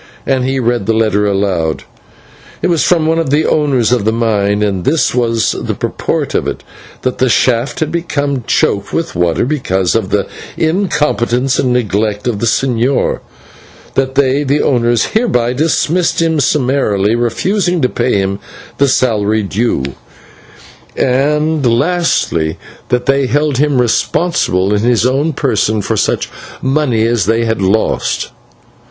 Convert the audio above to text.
And he read the letter aloud. It was from one of the owners of the mine, and this was the purport of it: that the shaft had become choked with water because of the incompetence and neglect of the señor; that they, the owners, hereby dismissed him summarily, refusing to pay him the salary due; and, lastly, that they held him responsible in his own person for such money as they had lost.